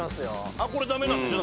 あっこれダメなんでしょ？